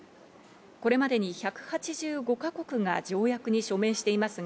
これまでに１８５か国が条約に署名していますが、